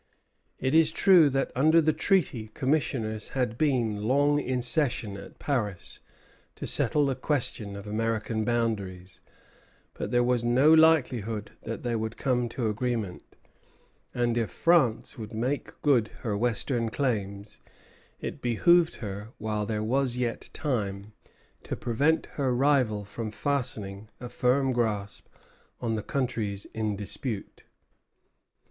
It is true that, under the treaty, commissioners had been long in session at Paris to settle the question of American boundaries; but there was no likelihood that they would come to agreement; and if France would make good her Western claims, it behooved her, while there was yet time, to prevent her rival from fastening a firm grasp on the countries in dispute.